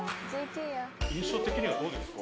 印象的にはどうですか？